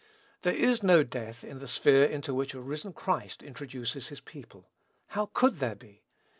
There is no death in the sphere into which a risen Christ introduces his people. How could there be?